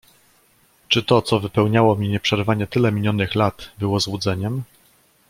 "Czy to, co wypełniało mi nieprzerwanie tyle minionych lat, było złudzeniem?"